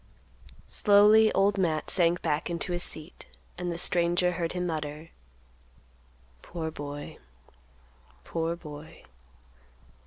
Slowly Old Matt sank back into his seat and the stranger heard him mutter, "Poor boy, poor boy."